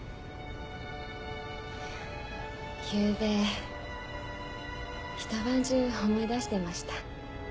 ゆうべひと晩中思い出してました。